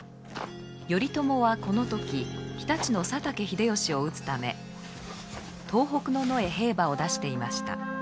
頼朝はこの時常陸の佐竹秀義を討つため東北の野へ兵馬を出していました。